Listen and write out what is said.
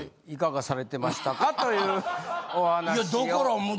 いかがされてましたか？というお話を。